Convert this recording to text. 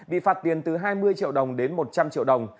bị phạt tiền từ hai mươi triệu đồng đến một trăm linh triệu đồng